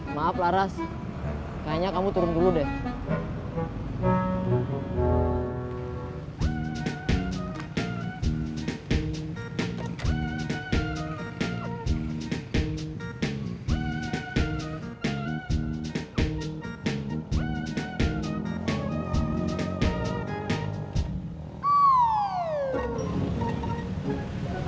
maaf laras kayaknya kamu turun dulu deh